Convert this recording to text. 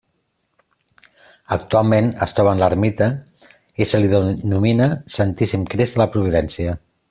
Actualment es troba en l'ermita i se li denomina Santíssim Crist de la Providència.